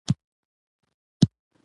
یوه بل ته یې ویله چي بیلیږو